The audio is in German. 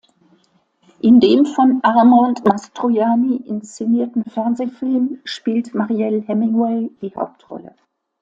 In dem von Armand Mastroianni inszenierten Fernsehfilm spielt Mariel Hemingway die Hauptrolle.